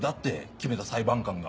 決めた裁判官が。